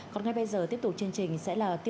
còn ngay bây giờ tiếp tục chương trình sẽ là tiếp